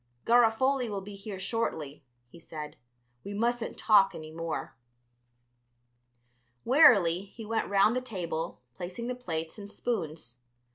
"Garofoli will be here shortly," he said; "we mustn't talk any more." Wearily he went round the table, placing the plates and spoons.